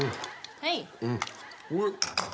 はい。